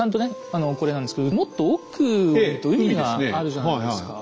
あのこれなんですけどもっと奥を見ると海があるじゃないですか。